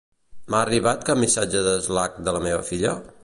M'ha arribat cap missatge d'Slack de la meva filla?